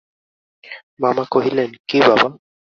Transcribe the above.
মামা কহিলেন, কী বাবা?